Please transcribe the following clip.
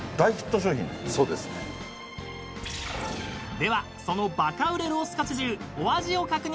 ［ではそのバカ売れロースカツ重お味を確認］